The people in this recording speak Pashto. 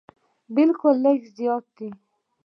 بلکې لږ زیات دي.